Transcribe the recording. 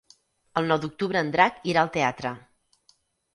El nou d'octubre en Drac irà al teatre.